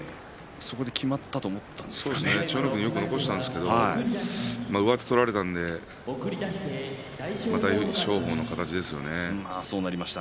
そこできまったと千代の国よく残したんですけど上手を取られたので大翔鵬の形ですよね。